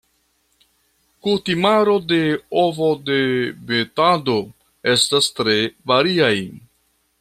Kutimaro de ovodemetado estas tre variaj.